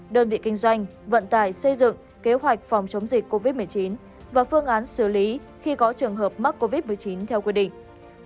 đơn vị kinh doanh vận tải xây dựng kế hoạch phòng chống dịch covid một mươi chín và phương án xử lý khi có trường hợp mắc covid một mươi chín theo quy định